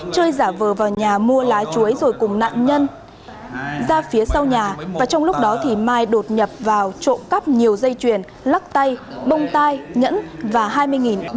chơi giả vờ vào nhà mua lá chuối rồi cùng nạn nhân ra phía sau nhà và trong lúc đó thì mai đột nhập vào trộm cắp nhiều dây chuyền lắc tay bông tai nhẫn và hai mươi ba